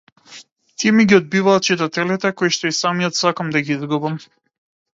Тие ми ги одбиваат читателите коишто и самиот сакам да ги изгубам.